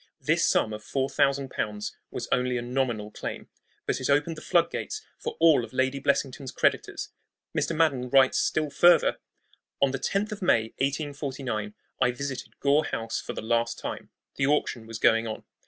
This sum of four thousand pounds was only a nominal claim, but it opened the flood gates for all of Lady Blessington's creditors. Mr. Madden writes still further: On the 10th of May, 1849, I visited Gore House for the last time. The auction was going on.